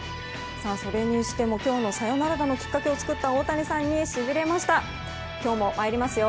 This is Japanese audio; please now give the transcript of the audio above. それにしても今日のサヨナラ打のきっかけを作った大谷さんにしびれました。